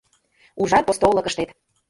Ужар посто олык ыштет